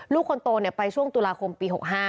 ลูกคนโตไปช่วงตุลาคมปี๖๕